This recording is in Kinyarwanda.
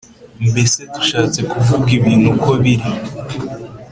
Mbese dushatse kuvuga ibintu uko biri